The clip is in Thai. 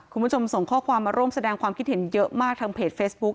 คุณผู้ชมส่งข้อความมาร่วมแสดงความคิดเห็นเยอะมากทางเพจเฟซบุ๊ค